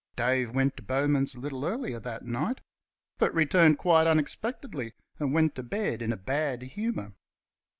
Dave went to Bowman's a little earlier that night but returned quite unexpectedly and went to bed in a bad humour.